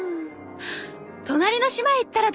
隣の島へ行ったらどうかしら？